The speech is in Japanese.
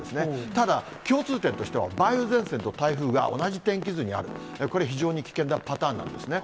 ただ、共通点としては、梅雨前線と台風が同じ天気図にある、これ、非常に危険なパターンなんですね。